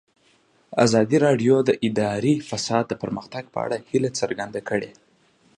ازادي راډیو د اداري فساد د پرمختګ په اړه هیله څرګنده کړې.